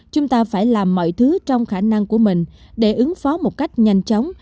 chúng ta phải làm mọi thứ trong khả năng của mình để ứng phó một cách nhanh chóng